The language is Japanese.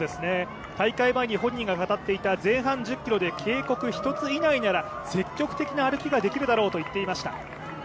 大会前に本人が語っていた前半１０ｋｍで警告１つ以内なら積極的な歩きができるだろうと言っていました。